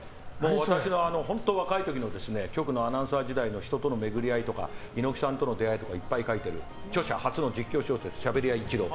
私が本当に若い時の局のアナウンサー時代の人との出会いとか猪木さんとの出会いとかいっぱい書いてる実況小説「しゃべり屋いちろう」。